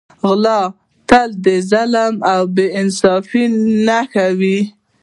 غل تل د ظلم او بې انصافۍ نښه وي